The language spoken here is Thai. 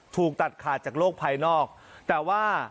ถูกตัดขาดจากโลกภายนอกแต่ว่า